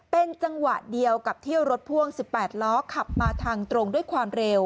เป็นจังหวะเดียวกับที่รถพ่วง๑๘ล้อขับมาทางตรงด้วยความเร็ว